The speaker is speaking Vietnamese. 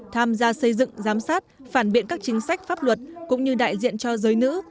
tham gia xây dựng giám sát phản biện các chính sách pháp luật cũng như đại diện cho giới nữ